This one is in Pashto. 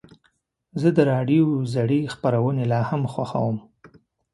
زه د راډیو زړې خپرونې لا هم خوښوم.